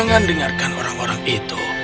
jangan dengarkan orang orang itu